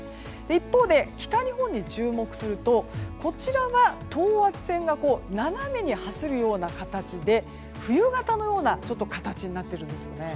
一方で、北日本に注目するとこちらは等圧線が斜めに走るような形で冬型のような形になっているんですよね。